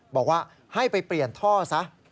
บอกว่าให้ไปเปลี่ยนท่อซะ